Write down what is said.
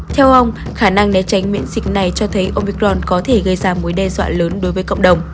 theo ông khả năng né tránh miễn dịch này cho thấy omicron có thể gây ra mối đe dọa lớn đối với cộng đồng